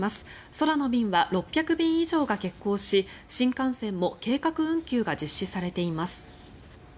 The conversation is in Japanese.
空の便は６００便以上が欠航し新幹線も計画運休が実施されています。